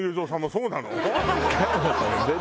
そうなの？